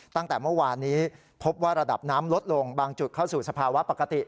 ตั้งแต่เมื่อวานนี้พบว่าระดับน้ำลดลงบางจุดเข้าสู่สภาวะปกติ